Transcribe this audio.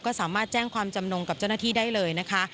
ก็สามารถแจ้งความจำนงกับเจ้าหน้าที่ได้เลยนะคะ